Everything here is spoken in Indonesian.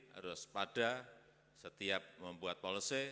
harus pada setiap membuat policy